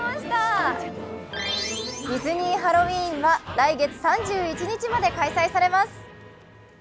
ディズニー・ハロウィーンは来月３１日まで開催されます。